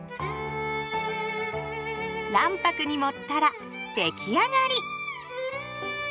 卵白に盛ったら出来上がり。